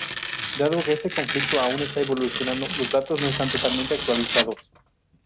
Dado que este conflicto aún está evolucionando los datos no están totalmente actualizados.